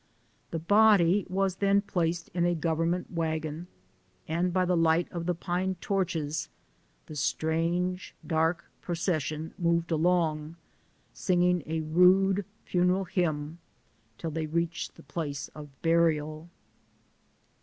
The body was then placed in a Government wagon, and by the light of the pine torches, the strange, dark procession moved along, singing a rude fune ral hymn, till they reached the place of burial.